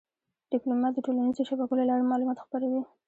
ډيپلومات د ټولنیزو شبکو له لارې معلومات خپروي.